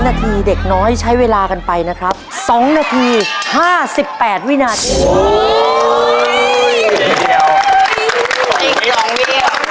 นาทีเด็กน้อยใช้เวลากันไปนะครับ๒นาที๕๘วินาทีเดียว